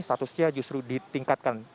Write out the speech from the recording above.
satusnya justru ditingkatkan